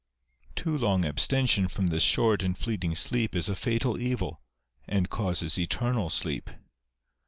Too long abstention from this short and fleeting sleep is a fatal evil, and causes eternal sleep.